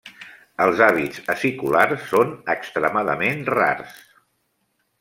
Els hàbits aciculars són extremadament rars.